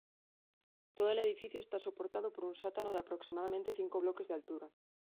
Todo el edificio está soportado por un sótano de aproximadamente cinco bloques de altura.